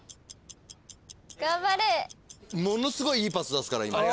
ものすごいいいパス出すから今。